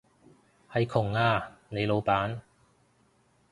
係窮啊，你老闆